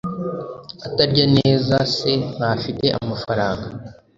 atarya neza se ntafite amafaranga